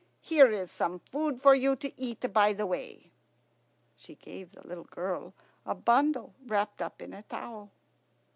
Here is some food for you to eat by the way." She gave the little girl a bundle wrapped up in a towel.